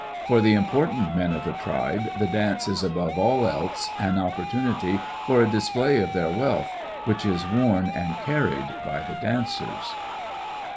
For the important men of the tribe the dance is above all else an opportunity for a display of their wealth, which is worn and carried by the dancers.